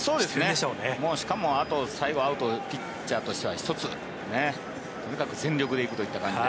しかもあと最後アウト、ピッチャーとしては１つとにかく全力で行くという感じで。